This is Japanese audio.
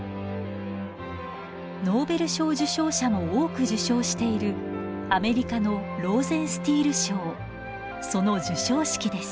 ノーベル賞受賞者も多く受賞しているアメリカのローゼンスティール賞その授賞式です。